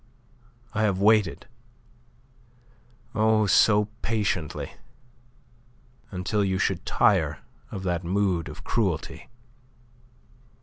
I have waited oh! so patiently until you should tire of that mood of cruelty."